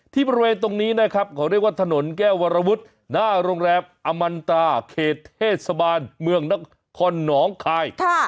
บริเวณตรงนี้นะครับเขาเรียกว่าถนนแก้ววรวุฒิหน้าโรงแรมอมันตราเขตเทศบาลเมืองนครหนองคาย